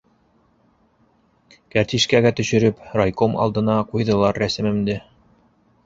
Кәртишкәгә төшөрөп, райком алдына ҡуйҙылар рәсемемде.